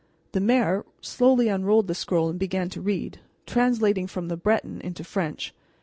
The mayor slowly unrolled the scroll and began to read, translating from the Breton into French.